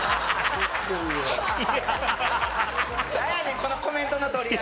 このコメントの取り合い。